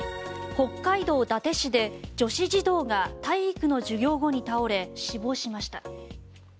北海道伊達市で女子児童が体育の授業後に倒れ死亡しました。